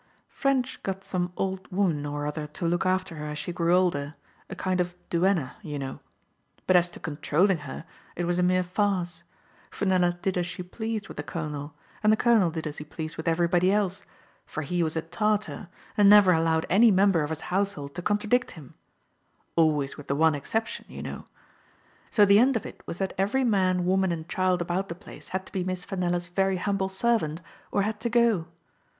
Ffrench got some old woman or other to look after her as she grew older — a kind of duenna, you know. But as to controlling her, it was a mere farce. Fenella did as she pleased with the colonel, and the colonel did as he pleased with everybody else, for he was a Tartar, and never allowed any member of his household to contra dict him — always with the one exception, you know ; and so the end of it was that every man. Digitized by Google 30 THE FATE OF FENELLA. woman, and child about the place had to be Miss Fenella's very humble servant, or had to go.